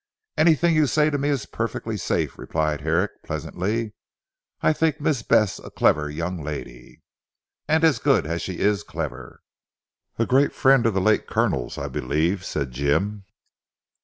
"Anything you say to me is perfectly safe," replied Herrick pleasantly. "I think Miss Bess a clever young lady." "And as good as she is clever." "A great friend of the late Colonel's I believe," said Jim.